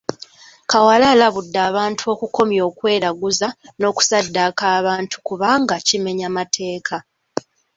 Kawala alabudde abantu okukomya okweraguza n’okusaddaaka abantu kubanga kimenya mateeka.